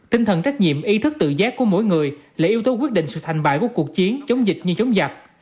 tinh thần trách nhiệm ý thức tự giác của mỗi người là yếu tố quyết định sự thành bại của cuộc chiến chống dịch như chống giặc